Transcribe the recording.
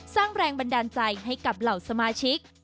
สร้างแรงบันดาลใจให้กับเหล่าสมาชิก